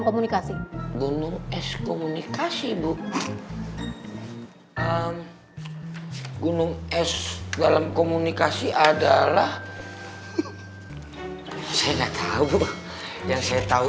komunikasi gunung es komunikasi bu gunung es dalam komunikasi adalah saya nggak tahu yang saya tahu